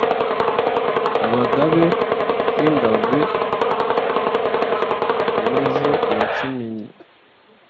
Abagabe b’i Ngabe-imeze ya Kimenyi,